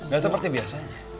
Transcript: gak seperti biasanya